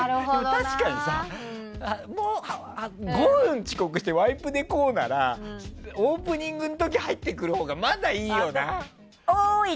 確かにさ、５分遅刻してワイプでこうならオープニングの時入ってくるほうがおーい！